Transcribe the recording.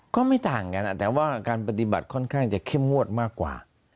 ก็ไม่ต่างกันแต่ว่าการปฏิบัติค่อนข้างจะเข้มงวดมากกว่า